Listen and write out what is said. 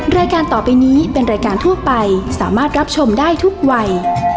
รายการต่อไปนี้เป็นรายการทั่วไปสามารถรับชมได้ทุกวัย